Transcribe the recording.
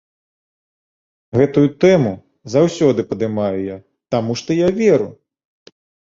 Гэтую тэму заўсёды падымаю я, таму што я веру.